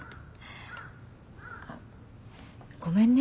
あごめんね。